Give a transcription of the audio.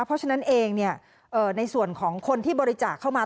เพราะฉะนั้นเองในส่วนของคนที่บริจาคเข้ามา